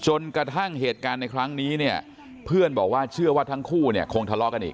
จนกระทั่งเหตุการณ์ในครั้งนี้เนี่ยเพื่อนบอกว่าเชื่อว่าทั้งคู่เนี่ยคงทะเลาะกันอีก